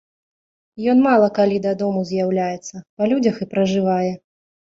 Ён мала калі дадому з'яўляецца, па людзях і пражывае.